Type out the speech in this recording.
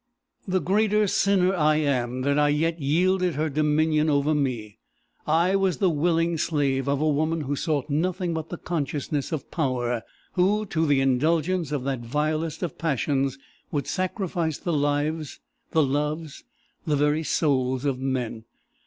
The greater sinner I am, that I yet yielded her dominion over me. I was the willing slave of a woman who sought nothing but the consciousness of power; who, to the indulgence of that vilest of passions, would sacrifice the lives, the loves, the very souls of men!